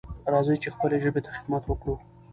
راځئ چې خپلې ژبې ته خدمت وکړو.